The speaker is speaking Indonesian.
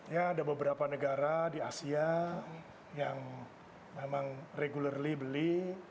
ya ada beberapa negara di asia yang memang regulary beli